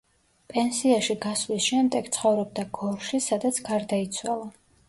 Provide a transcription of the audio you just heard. პენსიაში გასვლის შემდეგ ცხოვრობდა გორში, სადაც გარდაიცვალა.